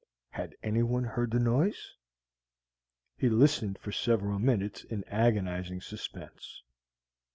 Had any one heard the noise? He listened for several minutes in agonizing suspense.